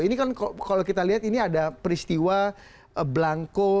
ini kan kalau kita lihat ini ada peristiwa belangko